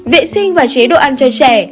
vệ sinh và chế độ ăn cho trẻ